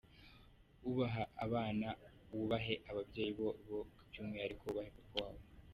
Ubaha abana, wubahe ababyeyi babo by’umwihariko wubahe papa wabo.